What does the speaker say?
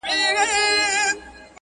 پوره درې مياشتي امير دئ زموږ پېشوا دئ٫